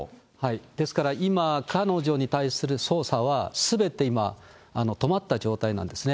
ですから、今、彼女に対する捜査は、すべて今、止まった状態なんですね。